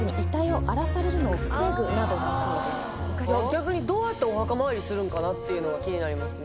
逆にどうやってお墓参りするんかなっていうのが気になりますね。